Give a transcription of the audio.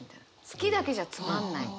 「好き」だけじゃつまんない。